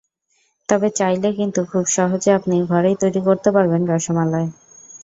তবে চাইলে কিন্তু খুব সহজে আপনি ঘরেই তৈরি করতে পারবেন রসমালাই।